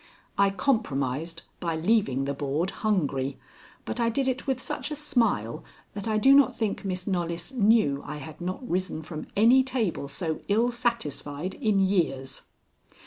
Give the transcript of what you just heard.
I compromised by leaving the board hungry, but I did it with such a smile that I do not think Miss Knollys knew I had not risen from any table so ill satisfied in years.